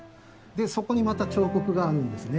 でそこにまた彫刻があるんですね。